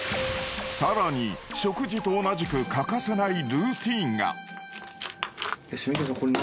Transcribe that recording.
さらに食事と同じく欠かせないルーティンが。